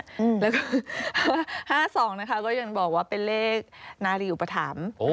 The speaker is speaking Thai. แล้วก็๕๒นะคะก็ยังบอกว่าเป็นเลขนารีอุปถัมภ์